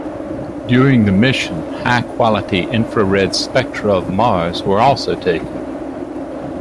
During the mission, high quality infrared spectra of Mars were also taken.